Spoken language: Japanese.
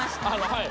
はい。